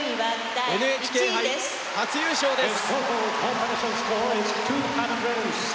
ＮＨＫ杯初優勝です！